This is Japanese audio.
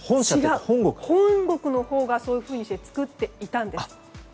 本国のほうがそういうふうに作っていたんです。